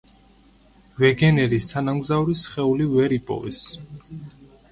ვეგენერის თანამგზავრის სხეული ვერ იპოვეს.